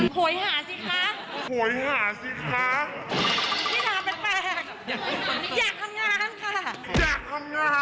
โหยหาสิคะโหยหาสิคะเวลาแปลกอยากทำงานค่ะอยากทำงาน